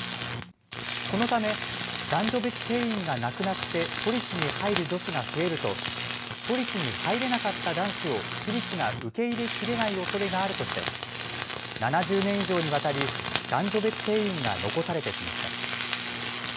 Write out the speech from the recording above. このため男女別定員がなくなって都立に入る女子が増えると都立に入れなかった男子を私立が受け入れきれないおそれがあるとして７０年以上にわたり男女別定員が残されてきました。